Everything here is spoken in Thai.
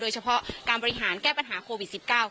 เฉพาะการบริหารแก้ปัญหาโควิด๑๙